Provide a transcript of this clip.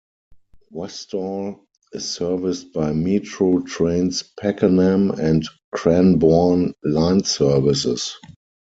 Westall is serviced by Metro Trains Pakenham and Cranbourne line services.